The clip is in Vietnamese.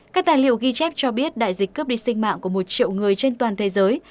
các tài liệu ghi chép cho biết đại dịch cướp đi sinh mạng của một triệu người trên toàn thế giới